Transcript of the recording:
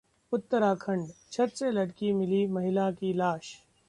उत्तराखंडः छत से लटकी मिली महिला की लाश